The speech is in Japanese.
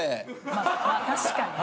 まあ確かにね。